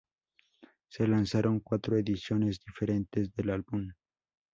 Se lanzaron cuatro ediciones diferentes del álbum.